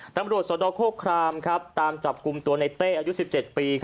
ตำรวจสนโคครามตามจับกลุ่มตัวในเต้อายุ๑๗ปี